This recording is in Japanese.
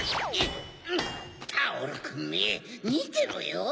タオルくんめみてろよ！